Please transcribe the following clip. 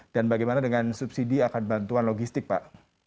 bagaimana dengan subsidi akan bantuan logistik pak